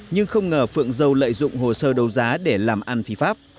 nhưng không ngờ phượng dâu lợi dụng hồ sơ đấu giá để làm ăn thì pháp